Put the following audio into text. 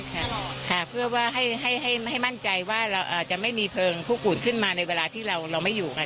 ค่ะค่ะเพื่อว่าให้ให้มั่นใจว่าเราจะไม่มีเพลิงผู้อื่นขึ้นมาในเวลาที่เราไม่อยู่กัน